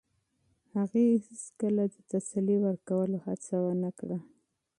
هغې هیڅکله د تسلي ورکولو هڅه ونه کړه.